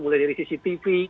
mulai dari cctv